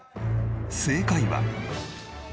正解は。